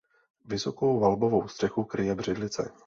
Vysokou valbovou střechu kryje břidlice.